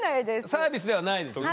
サービスではないですよね？